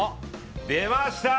出ました。